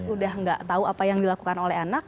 udah nggak tahu apa yang dilakukan oleh anak